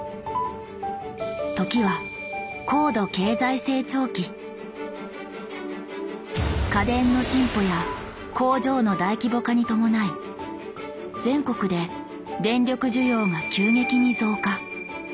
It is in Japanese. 時は家電の進歩や工場の大規模化に伴い全国で電力需要が急激に増加。